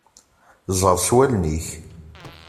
Ẓer s wallen-ik.